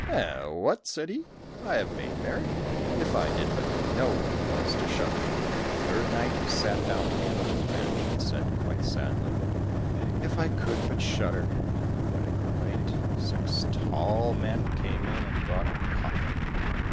"Eh, what?" said he, "I have made merry. If I did but know what it was to shudder!" The third night he sat down again on his bench and said quite sadly, "If I could but shudder." When it grew late, six tall men came in and brought a coffin.